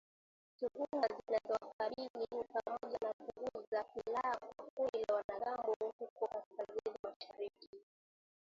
Tuhuma zinazowakabili ni pamoja na kuuza silaha kwa kundi la wanamgambo huko kaskazini mashariki